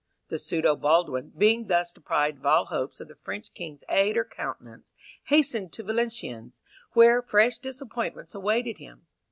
The pseudo Baldwin, being thus deprived of all hopes of the French king's aid or countenance, hastened to Valenciennes, where fresh disappointments awaited him.